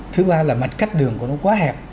thứ ba là mặt cắt đường của nó quá hẹp